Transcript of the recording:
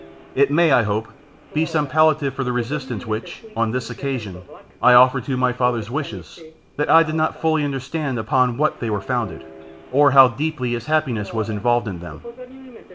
It may, I hope, be some palliative for the resistance which, on this occasion, I offered to my father's wishes, that I did not fully understand upon what they were founded, or how deeply his happiness was involved in them.